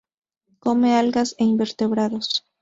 Come algas e invertebrados.